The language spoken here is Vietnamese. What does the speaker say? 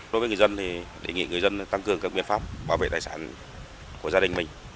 đối với người dân thì đề nghị người dân tăng cường các biện pháp bảo vệ tài sản của gia đình mình